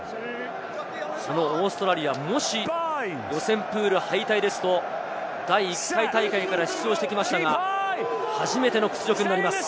オーストラリア、もし予選プール敗退ですと、第１回大会から出場してきましたが、初めての屈辱になります。